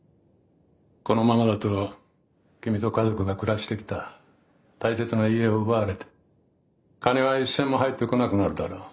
このままだと君と家族が暮らしてきた大切な家を奪われて金は一銭も入ってこなくなるだろう。